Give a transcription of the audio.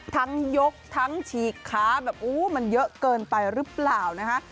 ยกทั้งฉีกขาแบบโอ้มันเยอะเกินไปหรือเปล่านะคะ